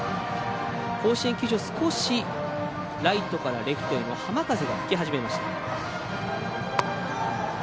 甲子園球場、少しライトからレフトへの浜風が吹き始めました。